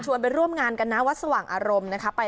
ชวนไปร่วมงานกันวัดสว่างอารมณ์